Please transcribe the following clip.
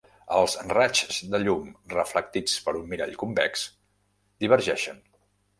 Els raigs de llum reflectits per un mirall convex divergeixen.